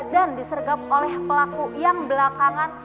disergap oleh pelaku yang belakangan